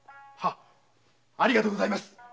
ありがとうございます。